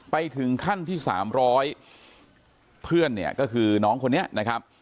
ถึงขั้นที่๓๐๐เพื่อนเนี่ยก็คือน้องคนนี้นะครับ